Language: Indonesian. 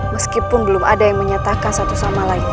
meskipun belum ada yang menyatakan satu sama lain